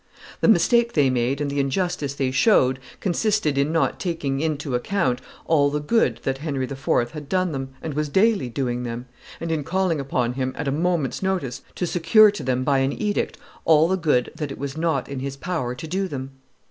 The mistake they made and the injustice they showed consisted in not taking into, account all the good that Henry IV. had done them and was daily doing them, and in calling upon him, at a moment's notice, to secure to them by an edict all the good that it was not in his power to do them.